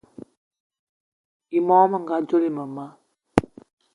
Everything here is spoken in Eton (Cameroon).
I món menga dzolo mema